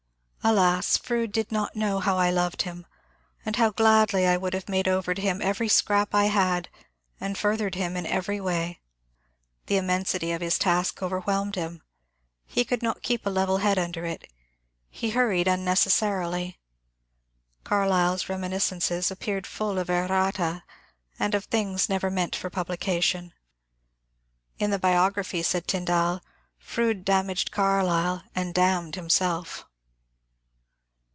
Alas, Froude did not know how I loved him, and how gladly I would have made over to him every scrap I had, and furthered him in every way. The immensity of his task overwhelmed him ; he could not keep a level head under it; he hurried unneces sarily. Carlyle's ^^Reminiscences*' appeared full of errata and of things never meant for publication. In the biography, said Tyndall, ^^ Froude damaged Carlyle and damned him self."